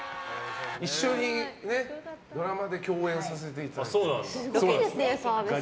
一緒にドラマで共演させていただいて。